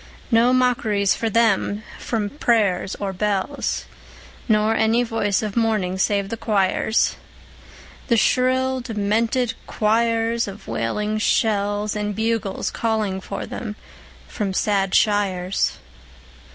No mockeries for them; no prayers nor bells, Nor any voice of mourning save the choirs, The shrill, demented choirs of wailing shells; And bugles calling for them from sad shires.